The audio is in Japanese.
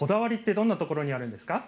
どんなところにあるんですか。